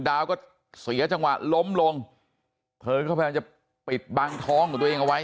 ดาวก็เสียจังหวะล้มลงเธอก็พยายามจะปิดบังท้องของตัวเองเอาไว้